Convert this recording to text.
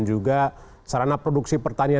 juga sarana produksi pertanian